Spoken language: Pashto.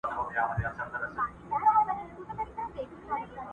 پر نرۍ لښته زنګېده، اخیر پرېشانه سوله!!